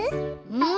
うん。